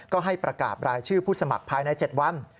ก็ให้ประกาศรายชื่อผู้สมัครภายใน๗วัน